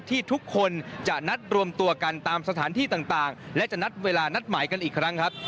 ที่ทุกคนจะนัดรวมตัวกันตามสถานที่ต่างและจะนัดเวลานัดหมายกันอีกครั้งครับ